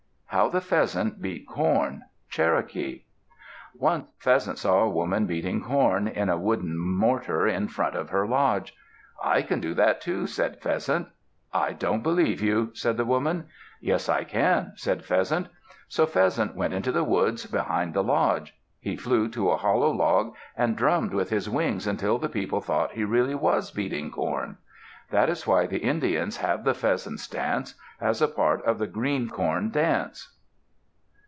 HOW THE PHEASANT BEAT CORN Cherokee Once Pheasant saw a woman beating corn in a wooden mortar in front of her lodge. "I can do that, too," said Pheasant. "I don't believe you," said the woman. "Yes, I can," said Pheasant. So Pheasant went into the woods behind the lodge. He flew to a hollow log and drummed with his wings until the people thought he really was beating corn. That is why the Indians have the Pheasant dance, as a part of the Green corn dance.